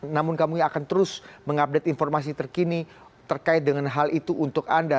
namun kami akan terus mengupdate informasi terkini terkait dengan hal itu untuk anda